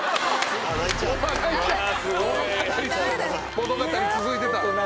物語続いてた。